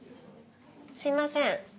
すいません